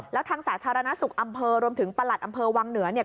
แล้วทางสาธารณสุขอำเภอรวมถึงประหลัดอำเภอวังเหนือเนี่ย